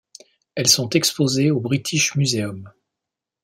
Elles sont exposées au British Museum.